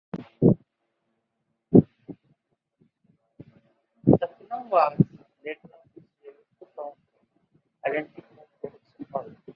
The film was later officially put on "indefinite production hold".